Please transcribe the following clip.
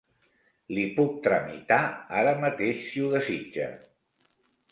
Li puc tramitar ara mateix si ho desitja.